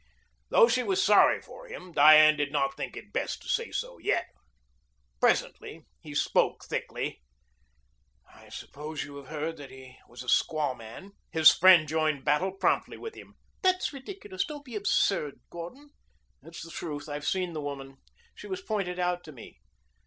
Though she was sorry for him, Diane did not think it best to say so yet. Presently he spoke thickly. "I suppose you have heard that he was a squawman." His friend joined battle promptly with him. "That's ridiculous. Don't be absurd, Gordon." "It's the truth. I've seen the woman. She was pointed out to me."